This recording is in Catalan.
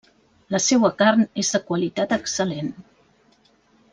La seua carn és de qualitat excel·lent.